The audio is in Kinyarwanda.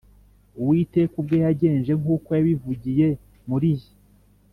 uwiteka ubwe yagenje nk’uko yabivugiye muri jye